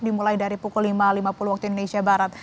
dimulai dari pukul lima lima puluh waktu indonesia barat